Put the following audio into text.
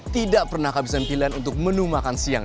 tidak pernah kehabisan pilihan untuk menu makan siang